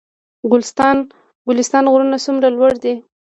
ګلستان غرونه څومره لوړ دي؟